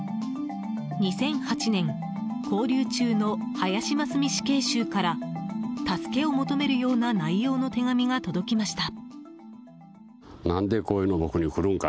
２００８年勾留中の林真須美死刑囚から助けを求めるような内容の手紙が届きました。